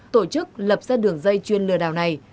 tổ chức lập ra đường dây chuyên lừa đảo này